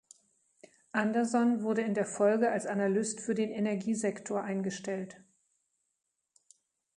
Anderson wurde in der Folge als Analyst für den Energiesektor eingestellt.